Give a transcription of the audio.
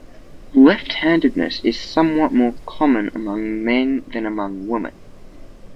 Left-handedness is somewhat more common among men than among women.